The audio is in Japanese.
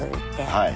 はい。